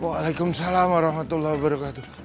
waalaikumsalam warahmatullahi wabarakatuh